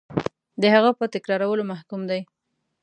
د هغه په تکرارولو محکوم دی.